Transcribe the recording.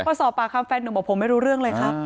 พอสอบปากคำแฟนหนุ่มบอกผมไม่รู้เรื่องเลยครับ